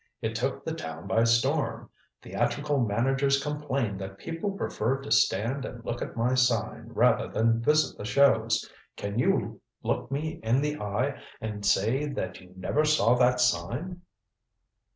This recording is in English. It took the town by storm. Theatrical managers complained that people preferred to stand and look at my sign rather than visit the shows. Can you look me in the eye and say that you never saw that sign?"